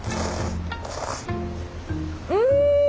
うん！